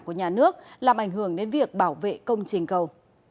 của nhà nước làm ảnh hưởng đến việc bảo vệ công trình cầu